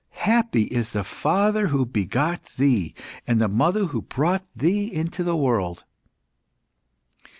Happy is the father who begot thee, and the mother who brought thee into the world!"